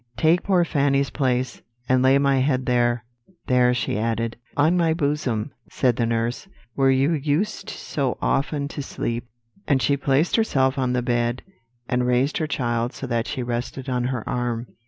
Take poor Fanny's place, and lay my head there there,' she added. "'On my bosom,' said the nurse, 'where you used so often to sleep;' and she placed herself on the bed and raised her child so that she rested on her arm.